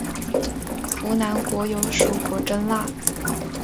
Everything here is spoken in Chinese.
扶南国有属国真腊。